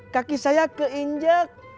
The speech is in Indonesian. kaki saya keinjak